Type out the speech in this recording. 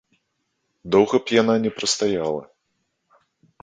Доўга б яна не прастаяла.